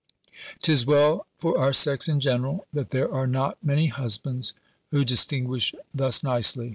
'Tis well for our sex in general, that there are not many husbands who distinguish thus nicely.